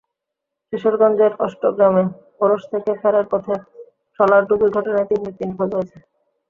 কিশোরগঞ্জের অষ্টগ্রামে ওরস থেকে ফেরার পথে ট্রলারডুবির ঘটনায় তিন ব্যক্তি নিখোঁজ হয়েছেন।